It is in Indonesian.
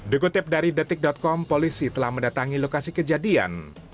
dikutip dari detik com polisi telah mendatangi lokasi kejadian